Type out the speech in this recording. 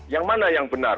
yang mana yang benar